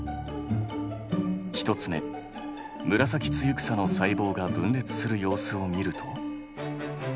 １つ目ムラサキツユクサの細胞が分裂する様子を見ると。